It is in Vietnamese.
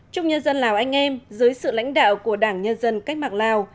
chúc nhân dân lào anh em dưới sự lãnh đạo của đảng nhân dân cách mạng lào